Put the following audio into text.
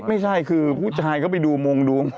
ไม่ใช่คือผู้ชายเขาไปดูมงดู